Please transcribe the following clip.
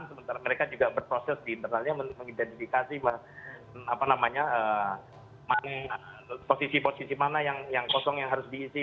sementara mereka juga berproses di internalnya mengidentifikasi posisi posisi mana yang kosong yang harus diisi